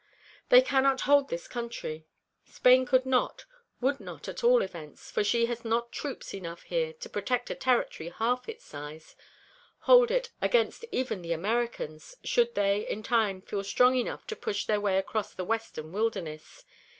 They cannot hold this country. Spain could not would not, at all events, for she has not troops enough here to protect a territory half its size hold it against even the 'Americans,' should they in time feel strong enough to push their way across the western wilderness.